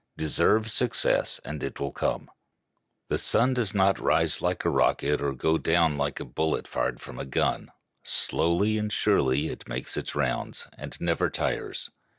Deserve success and it will come. The sun does not rise like a rocket or go down like a bullet fired from a gun; slowly and surely it makes its rounds, and never tires.